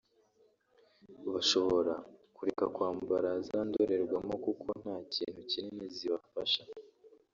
bashobora kureka kwambara za ndorerwamo kuko nta kintu kinini zibafasha